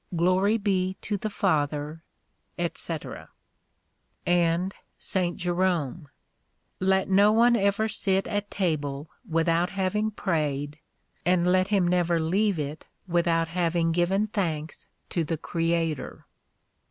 Glory be to the Father, etc. "* And St. Jerome: "Let no one ever sit at table without having prayed, and let him never leave it without having given thanks to the Creator."